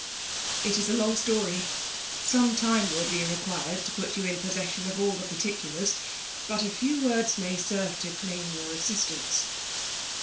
'' It is a long story. Some time will be re ' quired to put you in possession of all the pv ticulars ; but a few words may serve to dum your assistance.